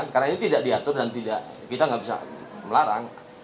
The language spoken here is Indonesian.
karena ini tidak diatur dan kita tidak bisa melarang